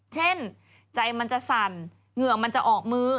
ใจมันจะสั่นเหงื่อมันจะออกมือ